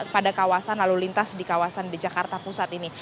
pada kawasan lalu lintas di kawasan di jakarta pusat ini